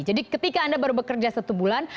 jadi ketika anda baru bekerja satu bulan